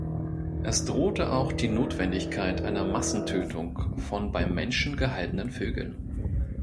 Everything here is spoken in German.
Es drohte auch die Notwendigkeit einer Massentötung von bei Menschen gehaltenen Vögeln.